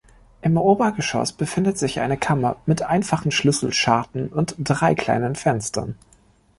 Im Obergeschoss befindet sich eine Kammer mit einfachen Schlüsselscharten und drei kleinen Fenstern.